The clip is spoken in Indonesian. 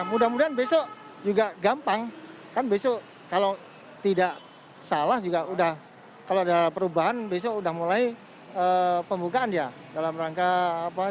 mudah mudahan besok juga gampang kan besok kalau tidak salah juga udah kalau ada perubahan besok udah mulai pembukaan ya dalam rangka apa